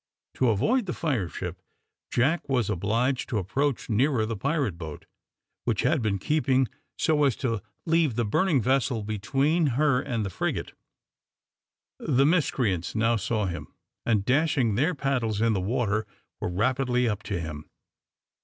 To avoid the fire ship, Jack was obliged to approach nearer the pirate boat, which had been keeping so as to leave the burning vessel between her and the frigate. The miscreants now saw him, and dashing their paddles in the water, were rapidly up to him.